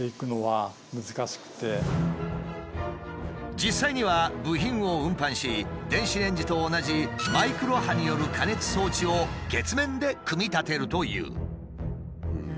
実際には部品を運搬し電子レンジと同じマイクロ波による加熱装置を月面で組み立てるという。